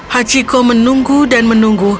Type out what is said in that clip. hachiko menunggu dan menunggu